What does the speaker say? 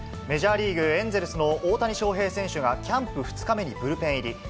メジャーリーグ・エンゼルスの大谷翔平選手が、キャンプ２日目にブルペン入り。